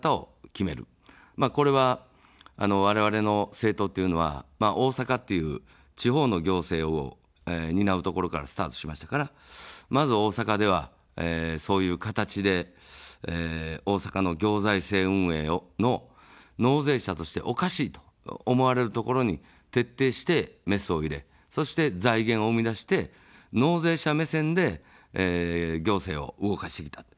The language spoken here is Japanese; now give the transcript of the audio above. これは、われわれの政党というのは大阪という地方の行政を担うところからスタートしましたから、まず大阪では、そういう形で、大阪の行財政運営の納税者としておかしいと思われるところに徹底してメスを入れ、そして財源を生み出して納税者目線で、行政を動かしてきた。